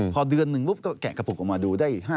พอเดือนหนึ่งปุ๊บก็แกะกระปุกออกมาดูได้